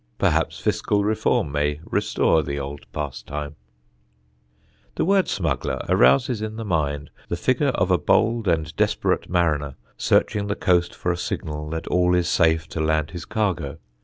Perhaps fiscal reform may restore the old pastime. [Sidenote: THE LAND SMUGGLER] The word smuggler arouses in the mind the figure of a bold and desperate mariner searching the coast for a signal that all is safe to land his cargo.